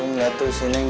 neng liat tuh si neng